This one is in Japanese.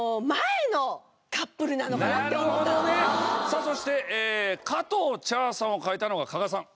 さあそして加藤茶さんを書いたのは加賀さん。